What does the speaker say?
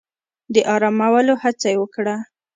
د آرامولو هڅه يې وکړه.